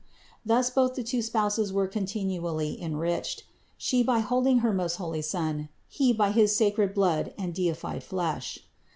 Thus both the two Spouses were con tinually enriched : She by holding her most holy Son, he by his sacred blood and deified flesh.